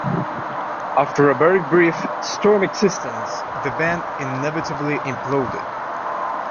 After a very brief, stormy existence, the band inevitably imploded.